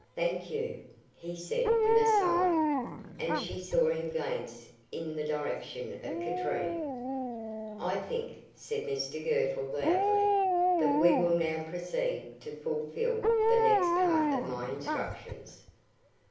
"Thank you," he said with a sigh; and she saw him glance in the direction of Katrine. "I think," said Mr Girtle, loudly, "that we will now proceed to fulfil the next part of my instructions."